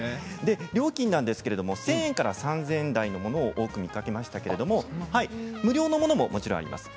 料金は１０００円から３０００円台のものを多く見かけましたけれども無料のものももちろんあります。